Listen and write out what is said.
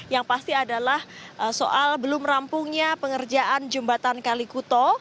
yang pasti adalah soal belum rampungnya pengerjaan jembatan kalikuto